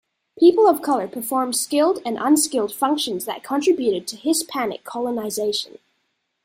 People of color performed skilled and unskilled functions that contributed to Hispanic colonization.